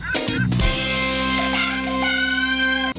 หือหือ